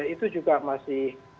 itu juga masih